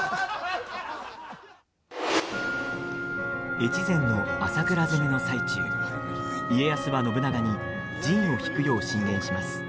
越前の朝倉攻めの最中家康は信長に陣を引くよう進言します。